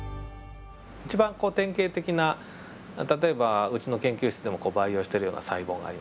一番こう典型的な例えばうちの研究室でも培養しているような細胞があります。